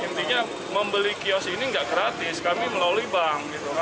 intinya membeli kios ini nggak gratis kami melalui bank